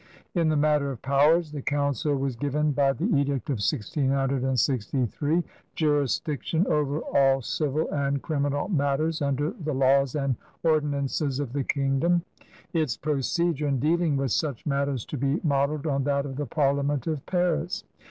In the matter of powers the Council was given by the edict of 1663 jurisdiction'' over all civil and criminal matters under the laws and ordinances of the kingdom, its procedure in dealing with such matters to be modeled on that of the Parliament of Paris.